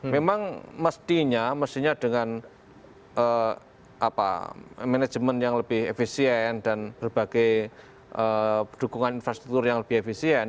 memang mestinya mestinya dengan manajemen yang lebih efisien dan berbagai dukungan infrastruktur yang lebih efisien